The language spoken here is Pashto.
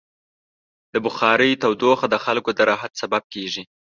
د بخارۍ تودوخه د خلکو د راحت سبب کېږي.